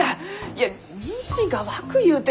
いや虫がわくゆうて。